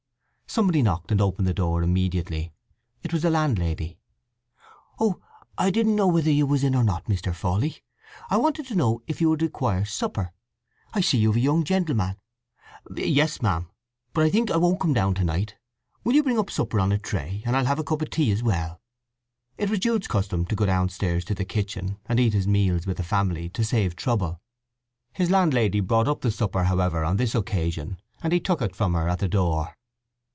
Somebody knocked and opened the door immediately. It was the landlady. "Oh, I didn't know whether you was in or not, Mr. Fawley. I wanted to know if you would require supper. I see you've a young gentleman—" "Yes, ma'am. But I think I won't come down to night. Will you bring supper up on a tray, and I'll have a cup of tea as well." It was Jude's custom to go downstairs to the kitchen, and eat his meals with the family, to save trouble. His landlady brought up the supper, however, on this occasion, and he took it from her at the door.